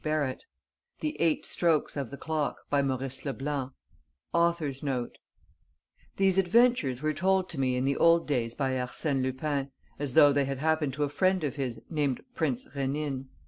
] THE EIGHT STROKES OF THE CLOCK BY MAURICE LE BLANC AUTHOR'S NOTE These adventures were told to me in the old days by Arsène Lupin, as though they had happened to a friend of his, named Prince Rénine.